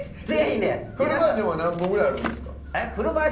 フルバージョンは何分ぐらいあるんですか？